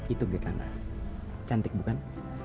itu gek ana cantik bukan